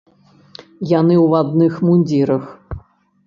Яны ў адных мундзірах.